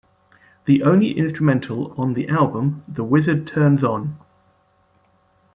The only instrumental on the album, The Wizard Turns On...